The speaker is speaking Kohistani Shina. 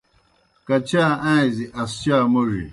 کچا آݩئزی، اسچا موڙیْ